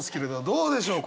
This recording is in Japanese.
どうでしょう？